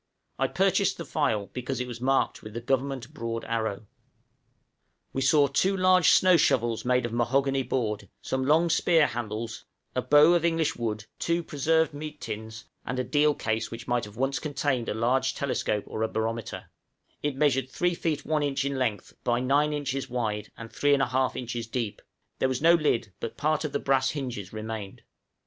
I purchased the file because it was marked with the Government broad arrow. We saw two large snow shovels made of mahogany board, some long spear handles, a bow of English wood, two preserved meat tins, and a deal case which might have once contained a large telescope or a barometer; it measured 3 feet 1 inch in length by 9 inches wide and 3 1/2 inches deep; there was no lid, but part of the brass hinges remained.